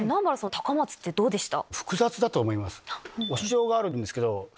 高松ってどうでした？